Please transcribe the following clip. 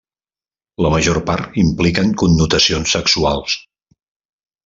La major part impliquen connotacions sexuals.